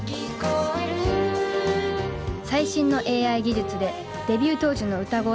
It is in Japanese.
最新のＡＩ技術でデビュー当時の歌声を再現。